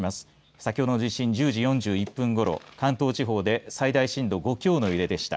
先ほどの地震１０時４１分ごろ関東地方で最大震度５強の揺れでした。